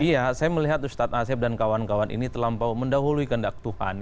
iya saya melihat ustadz asep dan kawan kawan ini terlampau mendahului kendak tuhan